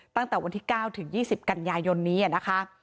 ตั้งแต่วันที่๙ถึง๒๐กันยายนนี้นะคะ